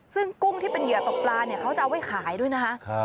ซึ่งกุ้งที่เป็นเหยื่อตกปลาเนี่ยเขาจะเอาไว้ขายด้วยนะคะ